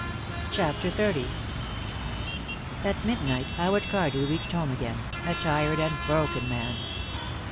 CHAPTER XXX At midnight Howard Cardew reached home again, a tired and broken man.